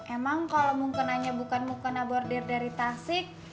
emang kalau mukenanya bukan mukena border dari tasik